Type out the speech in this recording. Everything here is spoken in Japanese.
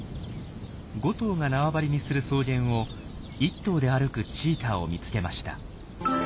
５頭が縄張りにする草原を１頭で歩くチーターを見つけました。